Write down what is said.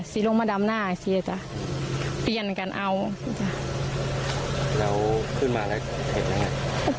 สิลงมาดำหน้าอ่ะสิอ่ะจ้ะเปลี่ยนกันเอาแล้วขึ้นมาอะไรเห็นแล้วน่ะ